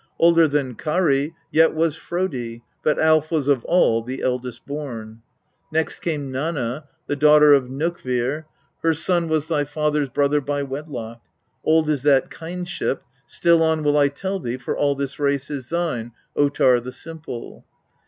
Older than Karl yet was Prodi, but Alf was of all the eldest born. 16. Next came Nanna, the daughter of Nokkvir; her son was thy father's brother by wedlock. Old is that kindship, still on will I tell thee, for all this race is thine, Ottar the Simple.